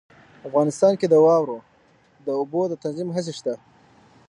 افغانستان کې د واورو د اوبو د تنظیم هڅې شته.